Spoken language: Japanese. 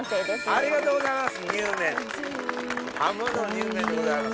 ありがとうございます。